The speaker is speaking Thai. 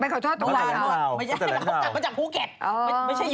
ไปขอโทษตอนตอนละเอา